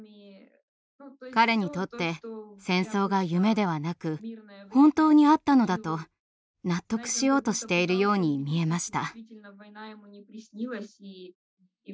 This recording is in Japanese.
彼にとって戦争が夢ではなく本当にあったのだと納得しようとしているように見えました。